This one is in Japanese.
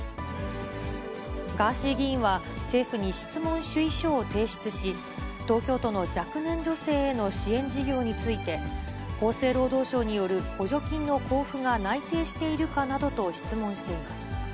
ガーシー議員は、政府に質問主意書を提出し、東京都の若年女性への支援事業について、厚生労働省による補助金の交付が内定しているかなどと質問しています。